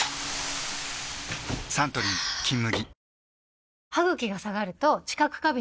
サントリー「金麦」